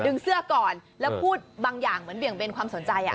เสื้อก่อนแล้วพูดบางอย่างเหมือนเบี่ยงเบนความสนใจ